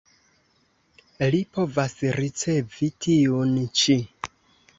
Li povas ricevi tiun ĉi.